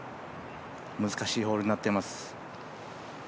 難しいホールになってます。